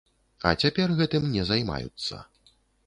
А цяпер гэтым не займаюцца.